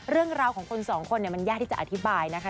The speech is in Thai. เรื่องราวของคนสองคนมันยากที่จะอธิบายนะคะ